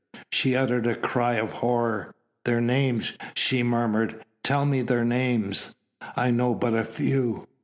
'" She uttered a cry of horror. "Their names," she murmured, "tell me their names." "I know but a few."